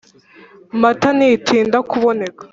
mata ntitinda kuboneka